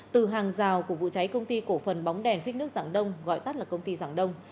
từ hàng rào của vụ cháy công ty cổ phần bóng đèn phích nước giảng đông gọi tắt là công ty giảng đông